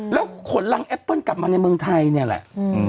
แล้วขนรังแอปเปิ้ลกลับมาในเมืองไทยเนี่ยแหละ